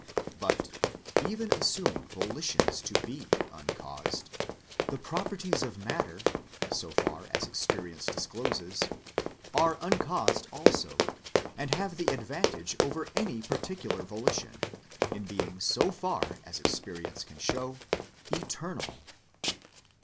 But, even assuming volitions to be uncaused, the properties of matter, so far as experience discloses, are uncaused also, and have the advantage over any particular volition, in being so far as experience can show, eternal.